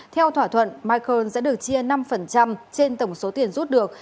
theo thỏa thuận michael sẽ được chia năm trên tổng số tiền rút được